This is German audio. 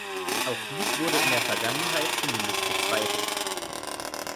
Auch dies wurde in der Vergangenheit zumindest bezweifelt.